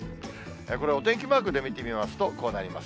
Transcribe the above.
これ、お天気マークで見てみますと、こうなります。